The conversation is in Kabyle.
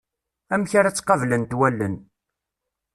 Amek ara tt-qablent wallen.